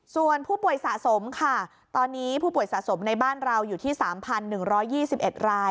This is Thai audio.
ส่วนผู้ป่วยสะสมค่ะตอนนี้ผู้ป่วยสะสมในบ้านเราอยู่ที่๓๑๒๑ราย